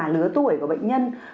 lứa tuổi của bệnh nhân